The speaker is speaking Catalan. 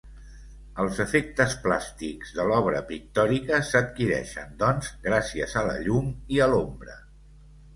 Els efectes plàstics de l'obra pictòrica s'adquireixen, doncs, gràcies a la llum i a l'ombra.